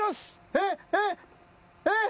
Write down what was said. えっえっえっ？